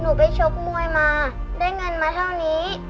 ไปชกมวยมาได้เงินมาเท่านี้